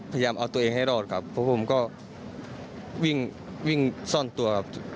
พยายามเอาตัวเองให้รอดครับเพราะผมก็วิ่งวิ่งซ่อนตัวครับ